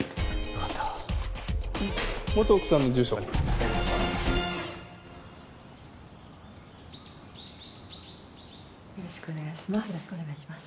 よろしくお願いします。